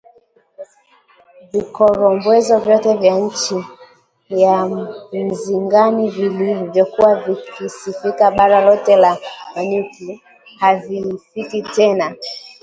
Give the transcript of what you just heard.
Vikorombwezo vyote vya nchi ya Mzingani vilivyokuwa vikisifika bara lote la Manyuki, havisifiki tena